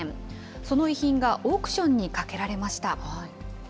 その遺品がオークションにかけられました。